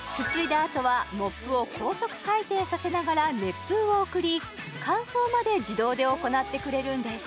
あとはモップを高速回転させながら熱風を送り乾燥まで自動で行ってくれるんです